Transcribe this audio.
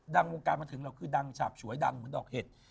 ดังวงการมาถึงเราคือดังฉาบสวยดังเหมือนดอกเห็ด